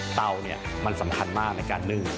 เตาเนี่ยมันสำคัญมากในการนึ่ง